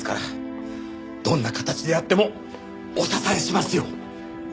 どんな形であってもお支えしますよ。